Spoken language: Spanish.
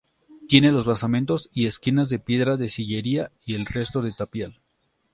Tiene los basamentos y esquinas de piedra de sillería y el resto de tapial.